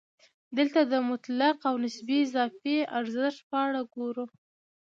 دلته د مطلق او نسبي اضافي ارزښت په اړه ګورو